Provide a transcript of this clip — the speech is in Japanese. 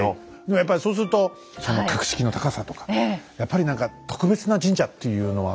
やっぱりそうするとその格式の高さとかやっぱり何か特別な神社っていうのは感じますね。